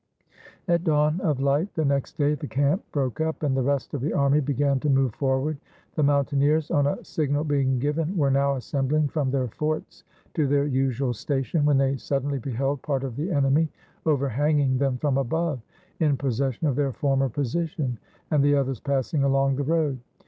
At dawn of Light the next day the camp broke up, and the rest of the army began to move forward. The moun taineers, on a signal being given, were now assembling from their forts to their usual station, when they sud denly beheld part of the enemy overhanging them from above, in possession of their former position, and the others passing along the road.